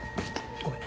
ごめん。